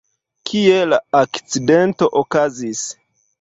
Kie la akcidento okazis?